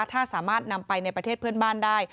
ถ้าสามารถนำไปในประเทศเพื่อนบ้านได้